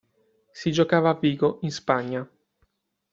Si giocava a Vigo in Spagna.